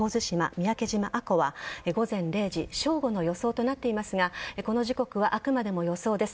三宅島アコは午前０時正午の予想となっていますがこの時刻はあくまで予想です。